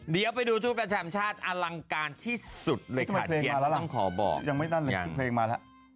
เดี๋ยวไปดูชุดประจำชาติอลังการที่สุดเลยค่ะเดี๋ยวต้องขอบอก